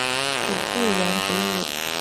祖父杨祖武。